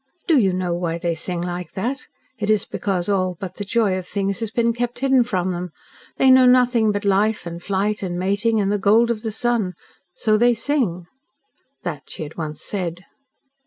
"Do you know why they sing like that? It is because all but the joy of things has been kept hidden from them. They knew nothing but life and flight and mating, and the gold of the sun. So they sing." That she had once said.